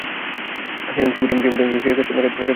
কেবিনটা সিঁড়ির কাছে না, কাজেই হৈচৈ হবে না।